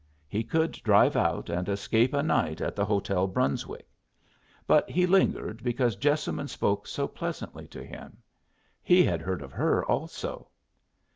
He could drive out and escape a night at the Hotel Brunswick. But he lingered, because Jessamine spoke so pleasantly to him. He had heard of her also.